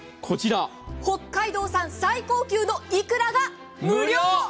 北海道産最高級のいくらが無料！